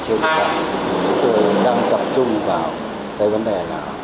trên chúng tôi đang tập trung vào cái vấn đề là